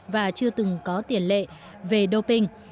và chưa từng có tiền lệ về doping